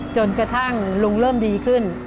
จนกระทั่งลุงเริ่มดีขึ้น